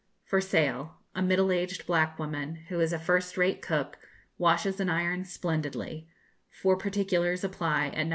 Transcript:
FOR SALE. A middle aged black woman, who is a first rate cook, washes and irons splendidly; for particulars apply at No.